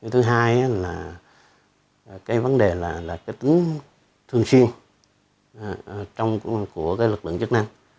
thứ hai là cái vấn đề là cái tính thường xuyên của cái lực lượng chức năng